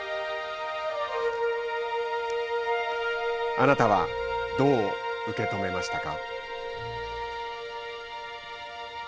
あなたはどう受け止めましたか？